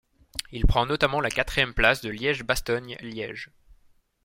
Il prend notamment la quatrième place de Liège-Bastogne-Liège.